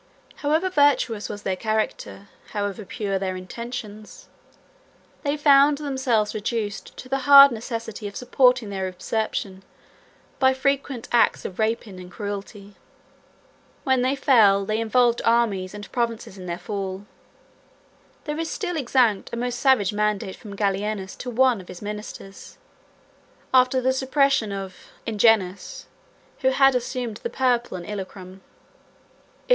However virtuous was their character, however pure their intentions, they found themselves reduced to the hard necessity of supporting their usurpation by frequent acts of rapine and cruelty. When they fell, they involved armies and provinces in their fall. There is still extant a most savage mandate from Gallienus to one of his ministers, after the suppression of Ingenuus, who had assumed the purple in Illyricum.